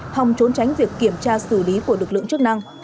hòng trốn tránh việc kiểm tra xử lý của lực lượng chức năng